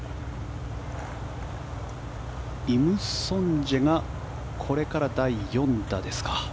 イム・ソンジェがこれから第４打ですか。